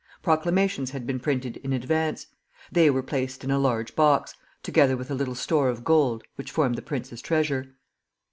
Proclamations had been printed in advance; they were placed in a large box, together with a little store of gold, which formed the prince's treasure.